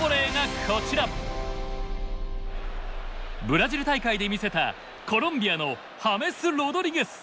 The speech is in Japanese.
ブラジル大会で見せたコロンビアのハメス・ロドリゲス！